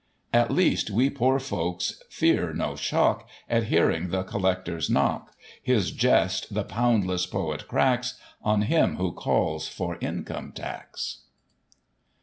At least, we poor folks fear no shock At hearing the collector's knock ; His jest, the poundless poet cracks On him who calls for Income Tax."